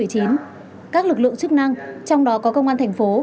các lực lượng chức năng trong đó có công an thành phố